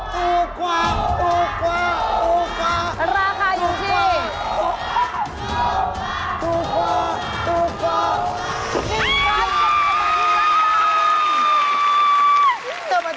เธอมาธีใจกับฉันล่ะครับ